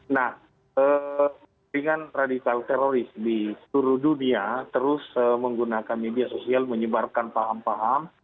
nah dengan radikal teroris di seluruh dunia terus menggunakan media sosial menyebarkan paham paham